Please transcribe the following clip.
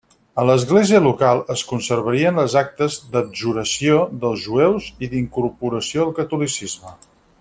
A l'Església local es conservarien les actes d'abjuració dels jueus i d'incorporació al catolicisme.